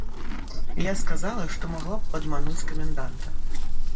Я сказала, што магла б падмануць каменданта.